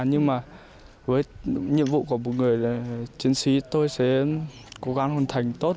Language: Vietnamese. nhưng mà với nhiệm vụ của một người là chiến sĩ tôi sẽ cố gắng hoàn thành tốt